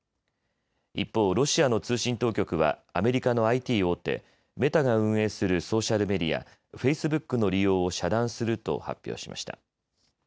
一方、ロシアの通信当局はアメリカのＩＴ大手、メタが運営するソーシャルメディア、フェイスブックの利用を遮断すると発表しました。